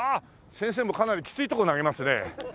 先生もかなりきついとこ投げますね。